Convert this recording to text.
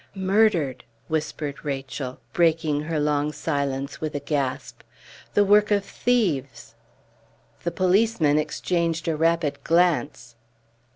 "Murdered!" whispered Rachel, breaking her long silence with a gasp. "The work of thieves!" The policemen exchanged a rapid glance.